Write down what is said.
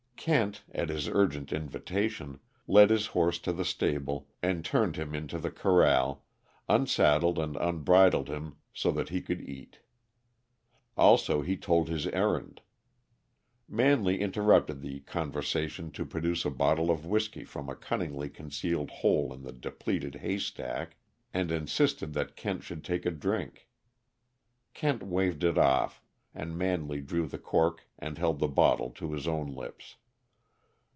Kent, at his urgent invitation, led his horse to the stable and turned him into the corral, unsaddled and unbridled him so that he could eat. Also, he told his errand. Manley interrupted the conversation to produce a bottle of whisky from a cunningly concealed hole in the depleted haystack, and insisted that Kent should take a drink. Kent waved it off, and Manley drew the cork and held the bottle to his own lips.